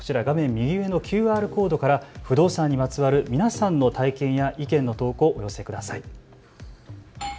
右上のＱＲコードから不動産にまつわる皆さんの体験や意見の投稿、お寄せください。